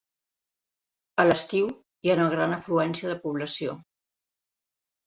A l'estiu hi ha una gran afluència de població.